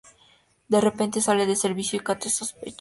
De repente, sale del servicio y Kate sospecha.